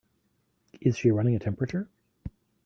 Is she running a temperature?